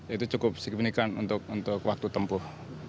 itu cukup signifikan untuk waktu tempuh